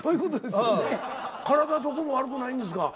体どこも悪くないんですか？